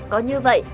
có như vậy